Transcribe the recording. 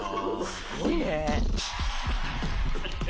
すごいね。